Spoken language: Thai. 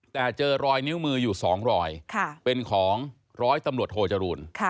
แต่เจอรอยนิ้วมืออยู่๒รอยเป็นของร้อยตำรวจโทจรูล